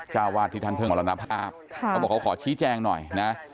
เจ้าวาดที่ท่านเพิ่งมรณภาพเขาบอกเขาขอชี้แจงหน่อยนะ